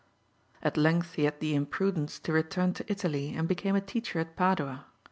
At length he had the imprudence to return to Italy, and became a teacher at Padua.